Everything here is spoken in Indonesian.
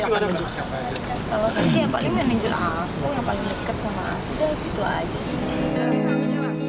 kalau kan dia yang paling manajer aku yang paling dekat sama aku ya gitu aja